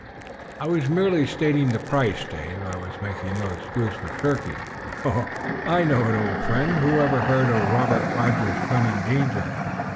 "I was merely stating the price, Dave. I was making no excuse for shirking." "I know it, old friend. Whoever heard of Robert Rogers shunning danger?